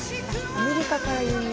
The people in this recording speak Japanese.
アメリカから輸入。